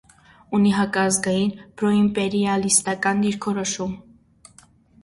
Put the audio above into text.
Ունի հակաազգային, պրոիմպերիալիստական դիրքորոշում։